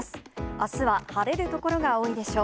あすは晴れる所が多いでしょう。